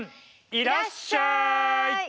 「いらっしゃい！」。